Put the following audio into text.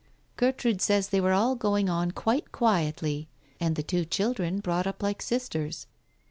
..... Gertrude says they were all going on quite quietly, and the two children brought up like sisters.